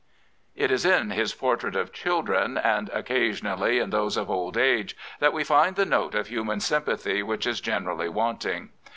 It is in his portraits of children, and occasionally in those of old age, that we find the note of human sympathy which is generally wanting.